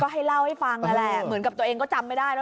ให้เล่าให้ฟังนั่นแหละเหมือนกับตัวเองก็จำไม่ได้แล้ว